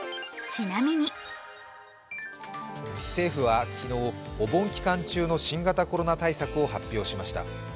政府は昨日、お盆期間中の新型コロナ対策を発表しました。